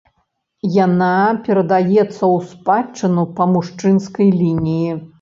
Яна перадаецца ў спадчыну па мужчынскай лініі.